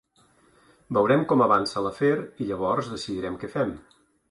Veurem com avança l’afer i llavors decidirem què fem.